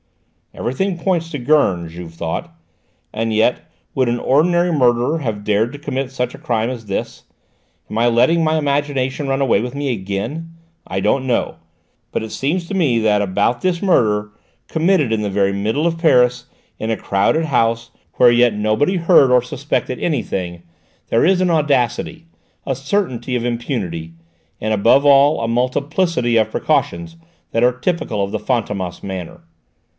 "Everything points to Gurn," Juve thought, "and yet would an ordinary murderer have dared to commit such a crime as this? Am I letting my imagination run away with me again? I don't know: but it seems to me that about this murder, committed in the very middle of Paris, in a crowded house where yet nobody heard or suspected anything, there is an audacity, a certainty of impunity, and above all a multiplicity of precautions, that are typical of the Fantômas manner!"